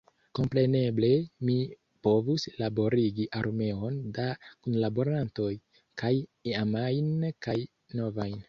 Kompreneble mi povus laborigi armeon da kunlaborantoj, kaj iamajn kaj novajn.